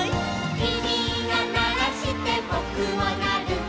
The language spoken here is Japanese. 「きみがならしてぼくもなる」